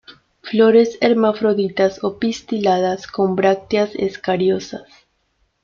Flores hermafroditas o pistiladas, con brácteas escariosas.